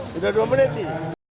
sudah dua menit sih